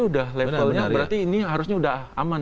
udah levelnya berarti ini harusnya udah aman